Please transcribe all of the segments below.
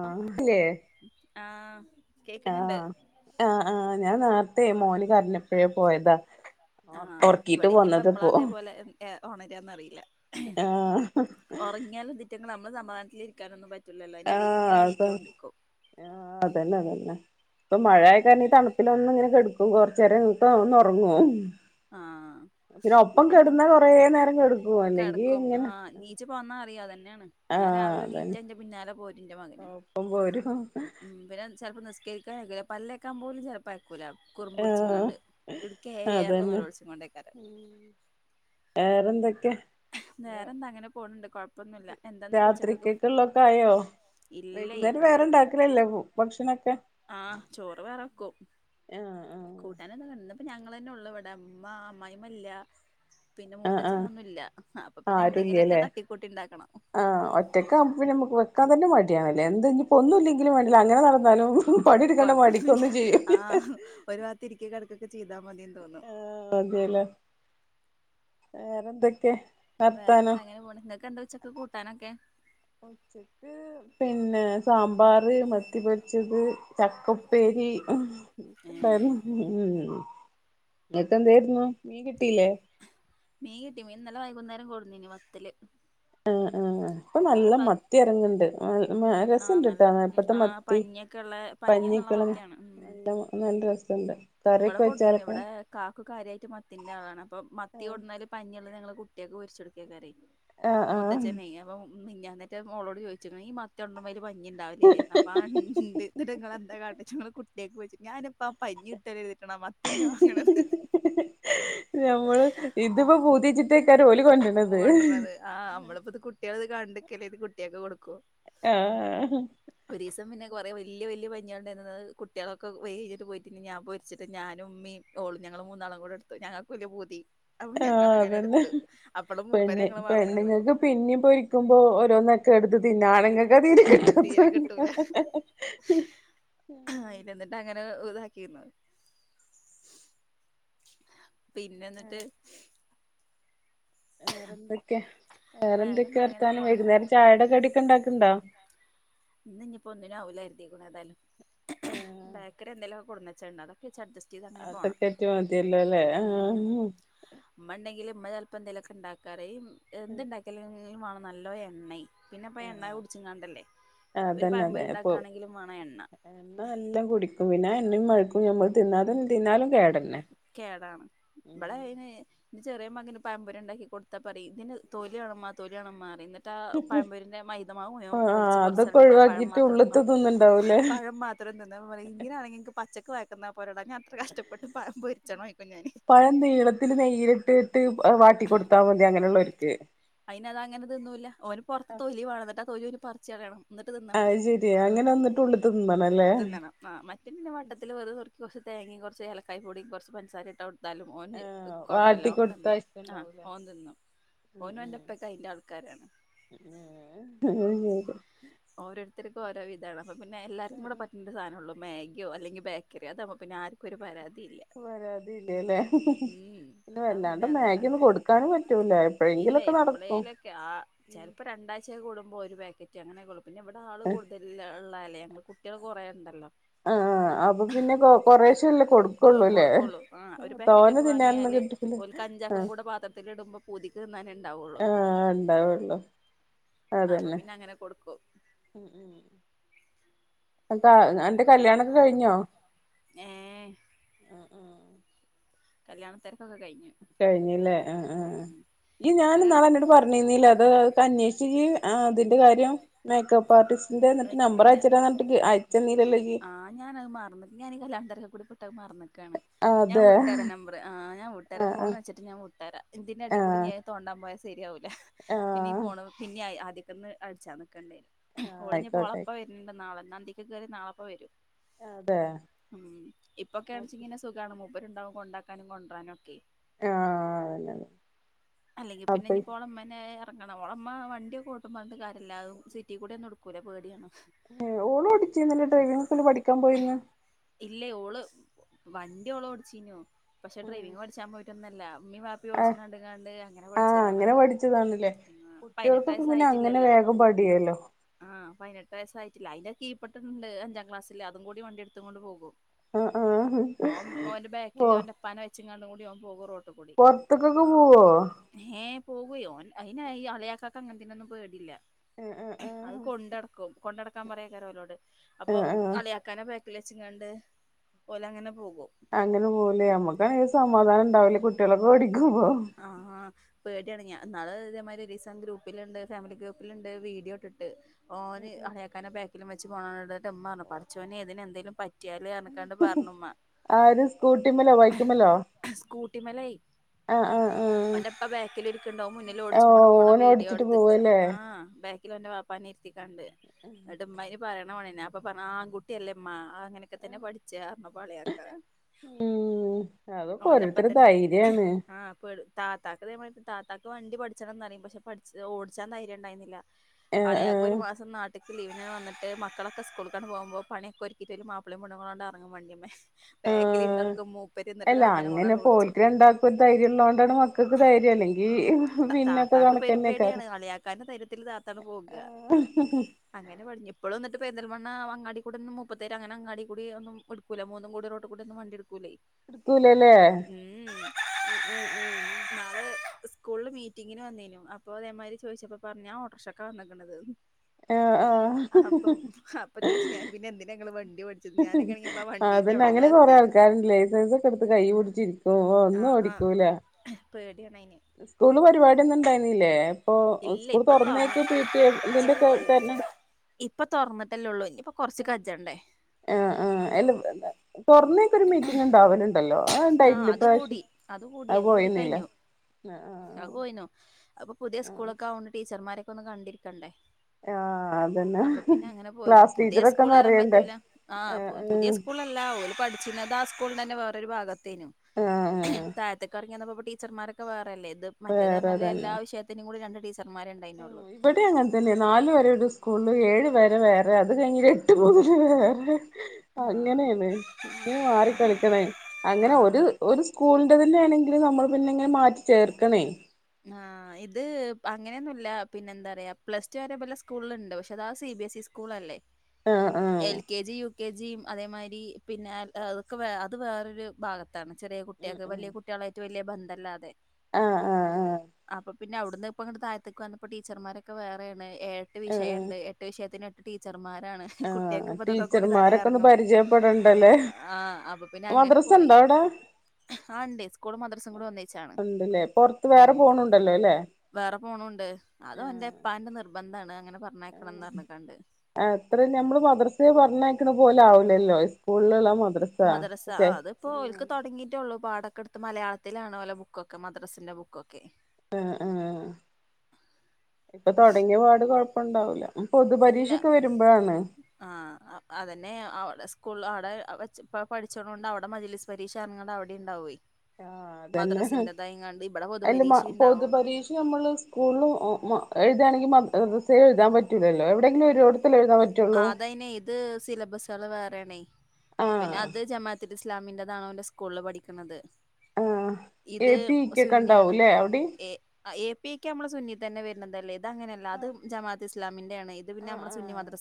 ആഹ അല്ലേ കേക്കുന്നുണ്ട് അതെ മോൻ കരഞപ്പോഴേ പോയതാ ആഹ് ഉറക്കീട്ട് പോന്നത് പോ ഒണരാന്ന്റിയില്ല ആഹ് ഇതിറ്റങ്ങള് നമ്മള് സമാനത്തിലരിക്കാനൊ പറ്റി ആഹ് അത ആഹ് അതന്നെ തന്നെ ഇപ്പൊ മഴയ കാരണം തണുപ്പില ഒന്നും ഇങ്ങനെ കിടക്കും കൊറച്ച് നേരം എന്നിട്ട് ഒന്ന്ഉറങ്ങു ആഹ് പിന്നെ ഒപ്പം ഇബടെ അങ്ങനെ കെടുന്ന ൽകൊറ നേരം കെടുക്കുവ അല്ലെങ്കി ഇങ്ങനെ അ അതന്നെയാണ് ഞാൻ ആഹ് രാവിലെ അതന്നെ നീറ്റാൽ എന്റെപിന്നാലെ പോരും എന്റെ മകനും ഒപ്പം പോരും ഉ പിന്നെ ചെപ്പോ നിസ്കരിക്കാനക്ക പല്ലേക്കാൻ പോലും അയക്കുലാ അയകുല ആഹ് കുറുമ്പ്പിടിച്ചിങ്ങാണ്ട് ഇടുക്കേ എന്ന് പറഞ്ഞ് അതന്നെ നോലോളിച്ചു കൊണ്ടാ വു വേറെന്തൊക്കെ വേറെ എന്താഅങ്ങനെ പോണ് ണ്ട്‌ രാത്രിക്കൊക്കെ ഉള്ള തെക്കെ ആയോ വൈകുന്നേരം ഇല്ലേ വേറെണ്ടാക്കലല്ലോ ഭക്ഷണ ഒക്കെ ആഹ് ആഹ് ആഹ് കൂട്ടാൻ എന്താ ഇന്ന് ഇപ്പോ ഞങ്ങൾ തന്നെ ഉള്ളു ഇവിടെ ഉമ്മ അമ്മയിമ്മ ഇല്ല പിന്നെ ആഹ് മൂത്തച്ഛൻ ആഹ് ഒന്നും ഇല്ല അപ്പൊ പിന്നെ എന്തെങ്കിലുമൊക്കെ ആരുല്ല്യല്ലേ തട്ടിക്കൂട്ടി ഇണ്ടാക്കണം ആഹ് ഒറ്റക്കാവുമ്പോ പിന്നെ നമുക്ക് വെക്കാൻ തന്നെ മടിയണല്ല എന്താ ഇഞ് ഒന്നുംഇല്ലെങ്കിലും വേണ്ടില്ല അങ്ങനെ നടന്നാലും പണിയെടുക്കേണ്ട മടിക്ക് കൊഴപ്പൊന്നുല്ല ഒന്നുംചെയ്യുല്ല അങ്ങനെ ചയ്താൽമതിന്ന് തോന്നും വേറെ എന്തൊക്കെ വേറെ എന്താങ്ങനെ പോ നിങ്ങൾക്ക് എന്താ ഉച്ചക്ക് കൂട്ടാനൊക്കെ ഉച്ചക്ക് പിന്നെ സാമ്പാർ മത്തി പൊരിച്ചത് ചക്ക ഉപേരി പി ഏഹ് ഉ ഇങ്ങക്ക് എന്ത് ആയിരുന്നു മീർ കിട്ടി മീൻ ഇന്നലെവൈകുന്നേരം കൊടു നിന്നു വത്തല് ആ ആ ആ ഇപ്പ അവിടെ നല്ല പ മത്തി ഇറങ്ങണ്ട് ഉം ആഹ് രസംണ്ട് നല്ല ഇട്ടോ ഉം നരത്തെ ആഹ് മത്തി പഞ്ഞിയൊക്കെ ഉള്ള പഞ്ഞി പഞ്ഞിയൊക്കെ ഉള്ള ത്തൾനല്ല മത്തിയാണ് ഉം നല്ല രസണ്ട് ഇവിടെ കറിയൊക്കെ കൊടുന്നിനി വെച്ചാലൊക്കെ ഇവിടെ കാക്കു കാര്യമായിട്ട് മത്തിന്റെ ആളാണ് അപ്പൊ മത്തി കൊടുന്നാല് പഞ്ഞി ഞങ്ങള കുട്ടിയൊക്കെ പൊരിച്ച് കൊടുക്കയക്കാരം ആഹ് ആഹ് മൂത്തഛൻ അപ്പൊ മി ഞാന്ന് ന്റെ ഓളോട് ചോദിച്ച് ക്ക്ണ് മത്തി കൊടുന്നാ വറ്റി പഞ്ഞിഉണ്ടാവില്ലേ അപ്പ അ ആണ്ട് ഇങ്ങൾ എന്ത കാട്ടില് ഇങ്ങൾ കുട്ടിയക്ക് പോരിച്ച് ഞാൻ ഇപ്പോ പഞ്ഞി കിട്ടാൻ എഴുതിട്ടാണ് ആ മത്തിന്നെ വാങ്ങണത് നമ്മള് ഇതിപ്പോ പുതി വച്ചിട്ട് ഓ കൊണ്ടിരത് ആ നമ്മളിപ്പത് കുട്ടികൾ ഇത് കണ്ടക്കല്ലേ ഇത് കുട്ടിയക്കെ കൊടുക്കും ആ വലിയ വലിയ വലിയ പഞിയാണ്ടായിരുന്നത് കുട്ടികളൊക്കെ വലഇട് പൊരിച്ച്ഞാൻൊരിച്ചിട്ട് ഞാനും ഉമ്മ ഓളും ഞങ്ങള് മൂന്നാളൂടെ ഇടുത്തുഞങ്ങൾക്കുല്ലേപൂതി ആ അതന്നെ അപ്പളും മൂപ്പര് പെണ് ഞങ്ങളെ മറന്ന്ക്ക്ണ് പെണ്ണുങ്ങൾക്ക് പിന്നും പൊരിക്കുമ്പോ ഓരോന്നൊക്കെ എടുത്ത് തിന്ന ആണുങ്ങൾക്ക് അണ് തിരെ തീരെ കിടത്തെ അയില്എന്നിട്ട് അങ്ങനെ ഇതാക്കിരുന്നു പിന്നെ എന്നിട്ട് വേറെ എന്തൊക്കെ വേറെ എന്തൊക്കെ വേറെന്താ അങ്ങനെ വർത്താനം പോണ് വൈകുന്നേരം ചായയുടെ കടി ഒക്കെ ഉണ്ടാക്കണ്ടോ ഇന്ന് ഇനിയിപ്പോ ഒന്നിനും ആവൂലാര്തി ഏതാലും ബേക്കറി എന്തെങ്കിലുംക്കെ കൊട്ന്ന് വച്ചത് ഉണ്ടാക്കു അത് വെച്ച് അജ്സ്റ്റ് അതൊക്കെറ്റി മതില്ലോല്ലേ ആ ഉമ്മചെലപ്പ എന്തയിലൊക്കെ ഉണ്ടാക്കാറ് ഇ മ് എന്തുണ്ടാക്കി യായെങ്കിലുംമാണം നല്ലോ എണ്ണയ് പിന്നെപ്പ എണ്ണ ആഹ് കുടിച്ചിങ്ങാണ്ടല്ലേ അതന്നെ അതെ അപ്പൊ എന്നാ ല്ലാം കുടിക്കും പിന്നെ ന്‌ മഴക്കും ഞമ്മൾ തിന്നാലും തിന്നാലും കേട് കേടാണ് ബടെ ഐന് ചെറിയ മകന് പഴമ്പൊരി ഉണ്ടാക്കി കൊടുത്താ പറയും ഇതിന് തൊലിയാണമ്മ തൊലിയാണമ്മ റന്ന് - - ത പഴമ്പൂരിന്റെ മൈദ മാവ് ആ മയം വലിച്ച് അതൊക്കെ പറിച്ചെറിഞ്ഞിട്ട് പഴം ഒഴിവാക്കിട്ട് മാത്രം ആ ഉള്ള്ത്തെ തിന്ന്ണ്ടാവൂലേ പഴം മാത് [unintelligible] പറേം ഇങ്ങനാണെങ്കി പച്ചക്ക് [unintelligible] പോരെടാ ഞാത്ര ക പഴം നീളത്തിൽ നെയ്യിൽ ഇട്ട് ഇട്ട് വ വാട്ടി കൊടുത്താ മതി അങ്ങനെയുള്ളരുക്ക് അതൊന്നൂല്ല ഓന് പുറത്ത് തൊലി വേണം എന്നിട്ട് ആ തൊലി ന്ന് പറിച്ച് കളേണം. എന്നിട്ട് തിന്നണം അത് ശെരി അങ്ങനെ വന്നിട്ട് ഉള്ള്ത്തെ തിന്നണല്ലേ തിന്നണം ആ മറ്റേ ഇല്ല വട്ടത്തില് വെറു നുറു കുറച്ച് തേങ്ങയും കുറച്ച് ഏലക്കായി പൊടിയും കുറച്ച് പഞ്ചസാരയും ഇട്ടാ കൊടുത്താലും ഓന് ആഹ് കൊഴപ്പല്ല വാട്ടി ഓൻ കൊടുത്താ അങ്ങനന്നും ആ ഇഷ്ടണ്ടാവൂലേ ഓൻ തിന്നു. [inaudible] ഓരോരുത്തരുക്കും ഓരോ വിധാണ് അപ്പ പിന്നെ എല്ലാവർക്കു ടെ ശെരി പറ്റണ്ട സധനേള്ളൂ. മാഗിയോ അല്ലെങ്കിൽ ബേക്കറി യോ അതാവുമ്പോ പിന്നെ ആർക്കും ഒരു പരാതി പരാതി ഇല്ലേല്ലേ ഉം പിന്നെ അപ്പൊ പിന്നെ വല്ലാണ്ട് മാഗി ന്ന് അതുണ്ടാക്കും കൊടുക്കാനും പറ്റൂല ഇല്ല എപ്പോഴെങ്കിലും ഒക്കെ നടക്കും. എപ്പോഴേലൊക്കെ ആ ചിലപ്പോ രണ്ടാഴ്ച ഒരു കൂടുമ്പോ പാക്കറ്റ് അങ്ങനെക്കെ ഉള്ളൂ പിന്നെ ഇവിടെ ആൾ കൂടുതൽ ഇ ഉള്ളാലേ കുട്ടികൾ കുറേ ഉണ്ടല്ലോ. ആഹ് അപ്പൊ പിന്നെ കൊ കൊറശേല്ലേ കൊടുക്കുള്ളൂല്ലേ. കൊടുക്കുള്ളൂ ആ ഒരു പാക്കറ്റ് തോനെ ഒക്കെ തിന്നാനൊന്നും വാങ്ങിയാല് കിട്ടി ഇല്ല.. ഓൽക്ക് അഞ്ചാക്കും കൂടെ പാത്രത്തിലിടുമ്പോ പൂതിക്ക് തിന്നാനേ ഇണ്ടാവുള്ളു. ആഹ് ഉണ്ടാവുള്ളു ആഹ് അപ്പൊ അതന്നെ പിന്നെ അങ്ങനെ കൊടുക്കും. അന്റെ അന്റെ കല്യാണൊക്കെ കഴിഞ്ഞോ? ഏ കല്യാണ തെരക്കൊക്കെ കഴിഞ്ഞു. കഴിഞ്ഞി ല്ലേ ആഹ് ആഹ്. ഉം ഈ ഞാൻ ന്നാളെ അന്നോട് പറഞ്ഞിരുന്നില്ലേ അത് അ അന്വേഷിച്ച് അതിന്റെ കാര്യം മേക്കപ്പ് ആർട്ടിസ് സിന്റെ എന്നിട്ട് അതൊക്കെ നമ്പർ അയച്ച് തരാന്ന് പറഞ്ഞിട്ട് എന്നിട്ട് അയച്ച് തന്നില്ലല്ലോ ഈ. ആ ഞാനത് മറന്ന് [unintelligible] ട്ട് മറന്നേക്കാണ് ഞാ അതെ വ് ട്ടെര നമ്പറ് ആഹ് ഞാൻ വിട്ടെര ആഹ് ഫോൺ ആഹ് വെച്ചിട്ട് ഞാൻ വിട്ടെര ഇതിന്റെ എഡേ കൂടി ആഹ് ഞാൻ തോണ്ടാൻ പോയാ ശരിയാവുല്ല. പിന്നെ ഈ ആഹ് ഫോണൊ [unintelligible] ആദ്യക്കൊന്ന് അടിച്ചാന്ന്. ക്കണ്ടേ ആഹ് ഓളിഞ്ഞപ്പോ ആയിക്കോട്ടെ ഓളപ്പ വരണ്ട് നാളെന്നന്തിക്ക് കേറി നാളെപ്പ വരും. അതെ മ് ആഹ് ഇപ്പൊക്കേണച്ചിങ്ങനെ സുഖാണു മോ ഇവരുണ്ടാവും കൊണ്ടാക്കാനും കൊണ്ടരാനും ഒക്കെ. ആഹ് അതന്നെയാണ്. അല്ലെങ്കി പിന്നെ ഇനി പോളം മനെയായാ ത്ത്ങ്ങാണും പോണം ഉമ്മ വണ്ടിയെക്കൊട്ടും പറ്ഞ്ഞിട്ട് കാര്യല്ല അത് സിറ്റി കൂടെ ഒന്നുംടുക്കൂല്ല പേടിയാണ്. ഓള് പഠിച്ചിരുന്നില്ലേ ഡ്രൈവിംഗ് സ്കൂളിൽ പഠിക്കാൻ പോയിന്ന് ഇല്ലേ ഓള് വണ്ടി ഓള് ഓടിച്ചീഞ്ഞു പഷേ ഡ്രൈവിങ് പഠിച്ചാൻ പോയിട്ടൊന്നല്ല. ഉമ്മീം വാപ്പിം ആഹ് ഓടിച്ചുന്ന കണ്ട്കണ് ആഹ് അങ്ങനെ പഠിച്ചതാണല്ലേ പതിനെട്ട് കുട്ടികക്കൊക്കെ പിന്നെ അങ്ങനെ വയസ്സായിട്ടില്ലല്ലോ വേഗം പഠിയല്ലോ ആഹ് പതിനെട്ട് വയസ്സായിട്ടില്ല അയിന്റെ കീപ്പെട്ടുട്ടുണ്ട് അഞ്ചാം ക്ലാസില് അതും കൂടി വണ്ടി എടുത്തും കൊണ്ട് പോകും. ആഹ് ആഹ് ഓമ് ഓന്റെ ബാക്കില് ഓന്റെ ഉപ്പാനെ വെച്ച്ങ്ങാണ്ടും കൂടി ഓൻ പോകും റോട്ട് കൂടി പൊറത്ത്ക്കൊക്കെ പോവോ പോകുയോൻ അയിന് ഈ അലയാക്കാക്ക അങ്ങനെത്തെനോന്നും പേടില്ല ആ അത് ആ കൊണ്ടട ക്കും കൊണ്ടടക്കാൻ പറയും [unintelligible] അപ്പോ അലിയാക്കാനെ ബേ ക്കില് വെച്ച്ങ്ങണ്ട് ഓല് അങ്ങനെ പോകും അങ്ങനെ പോവൂലേ നമ്മക്കാണെങ്കി സമാധാനം ഉണ്ടാവൂല കുട്ടികളൊക്കെ ഓടിക്കുമ്പോ ആഹ് പേടിയാണ് ഞാ ഇന്നാള് ഇതേമാതിരി ഒരിസം ഗ്രൂപ്പിലോണ്ട് ഫാമിലി ഗ്രൂപ്പിലോണ്ട് വീഡിയോ ഇട്ടിട്ട് ഓന് അലിയാക്കാനെ ബാക്കിലും വെച്ച് [unintelligible] ഉമ്മ പറഞ്ഞ് പഠിച്ചോനെ ഇതിന് എന്തെലും പറ്റിയാ ആര് സ്കൂട്ടിമ്മേല്ലോ ബൈക്കുമ്മേല്ലോ ക്കുമെലായി അവന്റെപ്പ ബാക്കില് ഇരിക്കണ്ടാവും മുന്നിൽ ഓ ഓടിച്ചും കൊണ്ട് പോണ ഓന് വീഡിയോ ഓടിച്ചിട്ട് എടുത്ത്ക്കാ പോവല്ലേ ആഹ് ബാ ക്കില് ഓന്റെ വാപ്പാന്നെരുത്തിക്കണ്ട് എന്നിട്ട് ഉമ്മനി പറയണ [unintelligible] അപ്പോ പറഞ്ഞ് ആങ്കുട്ടിയല്ലേമ്മാ ഇങ്ങനൊക്കെ തന്നെ പഠിച്ചാ [unintelligible] ഉം അതാപ്പോ ഓനപ്പ ഓരോത്തരെ തന്നെ ധൈര്യാണ് ആ പേട് താത്താക്ക് താത്താക്ക് വണ്ടി പഠിച്ചണംന്നറിയും പഷേ പഠിച്ച് ഓടിച്ചാ ധൈര്യം ണ്ടായിന്നില്ല ആ ആ അളിയാക്ക് ഒരു മാസം നാ ട്ട്ക്ക് ലീവിന് വന്നട്ട് മക്കളൊക്കെ സ്ക്കൂള്ക്ക് ക്കണ്ട് പോവുമ്പോ പണിയൊക്കെ ഒരുക്കിട്ട് മാപ്പളയും പെണ്ണുങ്ങളുകൊണ്ട് എറങ്ങും വണ്ടിമ്മേ ആ ബാക്കില് ഇരന്നൊടുക്കം മൂപ്പര് എന്നിട്ട് താത്തനെ കൊണ്ടാണ് ഓടിച്ചെ ഇള്ളോടാണ് മക്കക്ക് ധൈര്യം അല്ലെങ്കി പിന്നൊക്കെ താത്താക്ക് കണക്കന്നെ കാറു പെരുംപേടിയാണ് അളിയാക്കാന്റെ ധൈര്യത്തിൽ താത്താണ് പോക ആഹ് അങ്ങനെ വളിഞ്ചിഇപ്പളോന്ന് ഇത് പേന്തൽമണ്ണ അങ്ങാടികുടുന്ന് മുപ്പത്തേര ഇത് അങ്ങന അങ്ങാടി കൂടി ഒന്നും എടുക്കൂ മുന്നും കൂടിറോട്ടി കൂടി ഒന്നും വണ്ടി എടുക്കൂല്ലേ എടുക്കൂലല്ലേ ആഹ് ആഹ് ആഹ് ഇനാള് ഈസ്കൂളില് മീറ്റിങ്ങിന് വന്നേനു അപ്പൊ അതേമാരി ചോദിച്ചപ്പോ പറഞ്ഞാ ഞാ ഓട്ടോക്ഷക്ക വന്നെക്കെനാത് ആഹ് ആഹ് ആപ്പൊ അപ്പൊ ചോയിച്ചു ഞാൻ പിന്നെ എന്തിന ങ്ങള് വണ്ട അതന്നെ അങ്ങനെ കൊറേ എത്തീനു ആൾക്കാരുണ്ട് ലൈസൻസ് ഒക്കെ എടുത്ത് കൈ പിടിച്ചിരിക്കും ഒന്നും ഓടിക്കൂല പേടിയണായിന് സ്കൂള് പരിപാടിയ ഒന്നും ഇണ്ടായിരുന്നില്ലേ ഇപ്പൊ ഇല്ല സ്കൂൾ ഇപ്പൊ തൊറന്ന് തുറന്നേക്ക് പി ടി എഫ് ഇതിന്റെക്കെ ഇല്ല തെരഞ്ഞെടു ഇപ്പൊ തുറന്നിട്ടല്ലേ ഉള്ളൂ ഇനി ആഹ ആഹ എ അങ്ങനക്ക ഒരു മീറ്റിംഗ ഉണ്ടാവനുണ്ടല്ലോ ആ ആഹ് ഉണ്ടായില്ല അത് പ്ര്രാവശ്യം അ പോയന്നല ആ പോയിന്നോ അപ്പൊ പുതിയ ആഹ് സ്കൂളൊക്കെ ആവോണ്ട് ടീച്ചർമാരൊക്കെ ഒന്ന് കണ്ടിരിക്കണ്ടേ ആഹ അപ്പൊ പിന്നെ അങ്ങനെ പോയിരുന്നു പുതിയ ടീച്ചറൊക്കെ സ്കൂൾ വരാൻ നെറയണ്ടേ പറ്റൂല ആഹ് പുതിയ സ്കൂളല്ല ചിതാ സ്കൂളി തന്നെ വേറൊരു ഭാഗത്തേും ആഹ് താഴത്തൊക്കെ ഇറങ്ങിയന്നപ്പോൊ ടീച്ചർമാരൊക്കെ വേറെല്ലേ അത് മറ്റേത വേറെ പറഞ്ഞാല് എല്ലാ തന്നെ വിഷയത്തിനും കൂടി രണ്ട് ടീച്ചർമാരെ ഉണ്ടായിനുള്ളു ഇവിടെ അങ്ങനെത്തന്നെ നാലു വരെ ഒരു സ്കൂള ഏഴു വരെ വേറെ അത് കഴി വേറെ ആഹ് അങ്ങനെയാണ് ഇങ്ങനെ മാറ ആഹ് കളിക്കണ അങ്ങനെ ഒരു ആഹ് ഒരു സ്കൂളിന്റെ തന്നെ ആണെങ്കിലും നമ്മൾ പിന്നെങ്ങനെ മാറ്റി ചേർക്കണേ ആ ഇത് അങ്ങനെയൊന്നുമ ഇ പിന്നെ എന്താ പറയാ പ്ലസ് ടു വരെ പോലെ സ്കൂള ഉണ്ട് പക്ഷെ അതാ കൂൾല്ല ആഹ് ആഹ് എ കെ ജി കെ ജിയും അതേമാതിരി പിന്നെ അതൊക്കെ അത് വേറൊരു ഭാഗത്ത് ാണ് ചെറിയ കുട്ടികൾക്ക് വലിയ കുട്ടികളായിട്ട് വലിയ ബന്ധ അല്ലാതെ ആഹ പിന്നെ അവിടുന്ന് ഇ തഴത്തേക്ക് വന്നപ്പോ ടച്ചർമാരൊക്കെ വേറെയാണ് എട്ട് വിഷയ ഉണ്ട് എട്ട് വിഷയത്തിനട്ട് ടീച്ചർ ആഹ ടീച്ചർമാരൊക്കെ ഒന്ന് പരിചയപ്പെടണ്ടല്ലേ ആഹ അപ്പൊ പിന്നെ അങ്ങനെ മദ്രസ പോയി ഉണ്ടോ അവിടെ ആ ഉണ്ട് സ്കൂളും മദ്രസും കൂടെ ഒന്നിച്ചാണ് ഉണ്ടല്ലേ പുറത്ത് ഉ വേറെ ഉ പോണുണ്ടല്ലോ അല്ലേ വേറെ പോണോണ്ട് അതും എന്റെ ഇപ്പാന്റെ നിർബന്ധാണ് അങ്ങനെ പറഞ്ഞേക്കണംന്ന് പറഞ്ഞ്ക്കാണ്ട് ആ അത്ര ഞമ്മള് മദർസയെ പറഞ്ഞക്ക പോലൊവില്ലല്ലോ സ്കൂളിലുള്ള മദ്രസ ആ ക്കെ അത്പ്പോൊ ഒലക്ക് തുടങ്ങിട്ടള്ളൂ പാടൊക്കെടുത്ത് മയാളത്തിലാണോ ബുക്കെ മദ്രസിന്റെ ബുക്കൊക്കെ ആ ആ ഇപ്പൊ തുടങ്ങിയപാട് കുഴപ്പുണ്ടാവൂല ഇല്ല ആഹ അതന്നെ അവിടെ സ്കൂൾ അവിടെ ഇ പഠിച്ച കൊൊണ്ട് അവിടെ മജലിസ് പരീക്ഷ അനണ്ട് അവിടെ ഉണ്ടാവയി ആ അതല്ലേ അതി പൊതുപരീക്ഷ പൊതു ഉണ്ടാവും പരീക്ഷ നമ്മള് സ്കൂള എഴുതയാണെങ്കിൽ മസേ എഴുാൻ പറ്റില്ലല്ലോ എവിടെയങ്കിലുംരോടത്ത് ആ അതയിന് ഏത് സിലബസുകള് വേറെണേ പിന്നെ ആഹ് അത് ജമാത്തി ഇസ്ലാമിൻറോണോ അവന്റെ സ്കൂളിൽ പഠിക്കുന്നത് ആഹ ഏ പിക്കക്കണ്ടാവല്ലേ അവിടെ ഇക്ക് നമ്മള് സുന്നി തന്നെ വരുന്നതല്ലേ ഇത്ങ്ങനെയ അല്ല അത് ആഹ് ജമാഅത്ത് ഇസ്ാമിന്റെ ആാണ് ഇത് പിന്നെ നമ്മ സുന്നി മാത്രം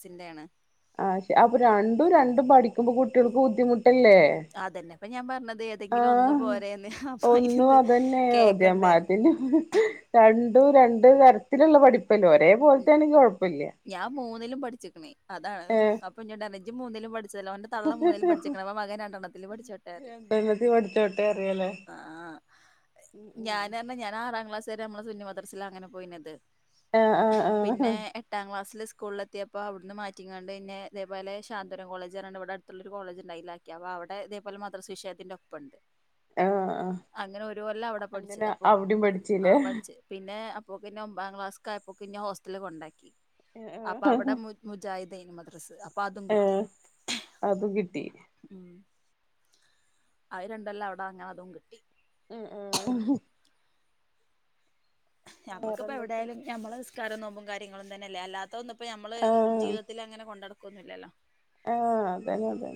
ആ ശെ അപ്പൊ രണ്ടും രണ്ടും പഠിക്കുമ്പോ കുട്ടികൾക്ക് ബുദ്ധിമുട്ട് അതന്നെപ്പ ഞാൻ പറഞ്ഞത് ഏതെങ്കിലും ഒന്ന് ആഹ് പോരന്ന് അപ്പ അന്ത് കേക്കണ്ട രണ്ടു രണ്ട ത ത്തിലുള്ള പഠിപ്പല്ലേ ഒരേ പോലത്ത ആണെങ്കും കുഴപ്പമില്ല പഠിക്കണേ അതാണ് അപ്പൊ ഞ ഡറിജി മൂന്നിലും പഠിച്ചതല്ലോ അവന്റെ തള്ള മൂന്നേും പഠിച്ചിിക്കക്കെ അപ്പ മകൻ രണ്ടെണ്ണത്തില്ൽ പഠിച്ചുോട്ടേറി പഠടിച്ചോട്ട ആ ഉം ഞൻ പറഞ്ഞ ഞാനൻ ആറാം ക്ലാസ് വരെ നമ്മള് സുന്നിമദർസില അങ്ങനെ പോയിത് ആഹ ആഹ ആഹ ആഹ [unintelligible] സ്കൂള എത്തിപ്പോ അവിടുന്ന് മാറ്റിങ്ങാണ്ട്ന്നെ ഇതേപല ശാന്തവരം കോളജ് പറഞ്ഞണ്ട് ഇവിടെ അടുത്തുള്ളരു കോളേജ്ണ്ടതിലാക്കി അപ്പോ അവിടെ ഇതേപോലെ മാത്രം സുഷയത്തിന്റെ ഒപ്പംുണ്ട് ആഹ് ആഹ് അങ്ങനെ ഒരുപല്ല അവിടെ അങ്ങനെ പഠിച്ചത് അപ്പൊ അവിടെയും ആ പഠിച്ചില്ലേ പഠിച്ചു പിന്നെ ന്നെ ഒമ്പാം ക്ലാസ്യപ്പോെ ഹോസ്റ്റല കൊണ്ടാക്കി അപ്പൊ അവിടെ മുജ അ മദ്രസ് അപ്പൊ അതും കിട്ടി അതും കിട്ടി ഉ അത്ണ്ടല്ല അവിടെ അങ്ങനെ അതും കിട്ടി ഉ ഉ [unintelligible] മ്മക്കിപ്പ വേറെന്തൊക്കെ എവിടെയാലും നമ്മുടെ വിസ്കാരം നോമ്പും കാര്യങ്ങളും തന്നെല്ല അല്ലാത്ത ഒന്ന അപ്പൊ നമ്മള് ജീവിതത്തിൽ അങ്ങനെ കൊണ്ട നടക്കൊന്നുമില്ലല്ലോ ആഹ അതന്നെ അതന്നെ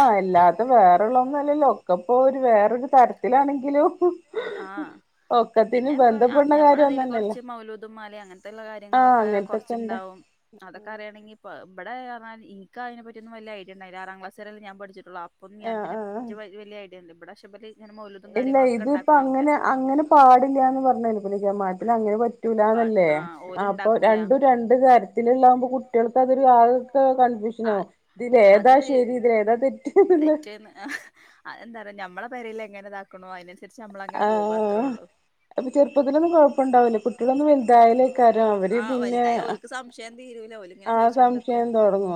ആഹ ആ അല്ലാത്ത അല്ലാതെ വേറെള്ളന്നല്ലല്ലോ വേറെള്ളൊന്നും ഒക്കെപ്പോൊ ഒരു വേറൊരു തരത്തിലാണെങ്കിലും ഒക്കത്തിനി ബന്ധപ്പെ ഞമ്മള അതിൽ കുറച്ച് മൗലോദമാല അങ്ങനത്തെയുള്ള ആഹ് കാര്യങ്ങളൊക്കെ അങ്ങനത്തൊക്കെ ഉണ്ട് കുറച്ചുണ്ടാവും അതൊക്കെ അറിയയാണെങ്കി ഇ ഇവിടൊൽ എനി അതിന പറ്റിയൊന്ന വല്ല ഐഡിയണ്ടായിില്ല ആറാം ക്ലാസ് വരെല്ല ഞാ പഠിച്ചിട്ടുള്ള അൊ ഞാൻ ആഹ് ആഹ് വലിയഐിയണ്ട് ഇവിടെ പക്ഷെല ഇല്ല ഇതിപ്പൊ അങ്ങനെ അങ്ങനെ പാടില്ലന്ന് പറഞ്ഞപ്പ ജമാറ്റൽ അങ്ങനെറ്റ റ്റലാന്നല്ലേ ആഹ് ഓല് അപ്പൊ ഇണ്ടാക്കൂല രണ്ടും രണ്ട താര്രത്തിലള്ളാവകുമ്പോ കുട്ടികൾക്ക് അതൊരു ആൊക്കെ കണ്ട ആ അത് ഏതാ തെറ്റ്ന്നുള്ള തെറ്റന്ന് എന്താ പറയാ ഞമ്മളെ പരൽ എങ്ങനെതാക്കണോ അതിനന് ആ അപ്പൊ ചെറുപ്പത്തിലൊന്നും കൊഴപ്പണ്ടാവില്ലേ കുട്ടികളൊന്ന ആഹ വലുതായ അവഓലക്ക് സംശയം തീരൂല അവഓല ആ സംശയം തുടങ്ങു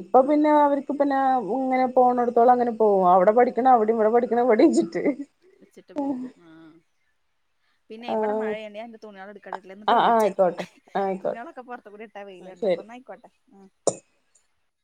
ഇപ്പൊ പിന്നെ ആഹ് അവർക്ക്ി പിന്നെ ഇങ്ങനെ പോണ പള അങ്ങനെ പോകും അവിടെ പഠിക്കണ അവിടെ ഇവിടെ പഠിക്കണവിടെചിട്ട് വെച്ചിട്ട് പോകും ആ പിന്നെ ആ ഇവിടെ മഴയണ്ട എന്റെ തുണിയൾ എടു ട്ട എന്നിട്ട് ആ വിളിച്ച ആയിക്കോട്ടെ ആയിക്കോട്ടെ തുണികളൊക്കെ പുറത്ത കൂടി ഇട്ടാ ആ വെയിലുണ്ട് ശരി അപ്പൊ എന്നായിയിക്കോട്ടെ ആ [unintelligible]